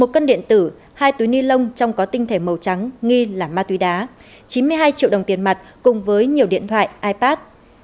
một cân điện tử hai túi ni lông trong có tinh thể màu trắng nghi là ma túy đá chín mươi hai triệu đồng tiền mặt cùng với nhiều điện thoại ipad